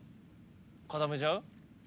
固めちゃう？